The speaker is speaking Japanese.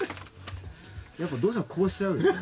やっぱどうしてもこうしちゃうよね。